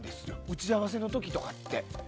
打ち合わせの時とかって。